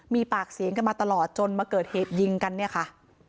มีปากเสียงกันมาตลอดจนมาเกิดเหตุยิงกันเนี่ยค่ะ